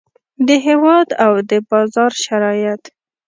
د هیواد او د بازار شرایط.